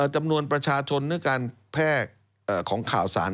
จำนวนประชาชนหรือการแพร่ของข่าวสาร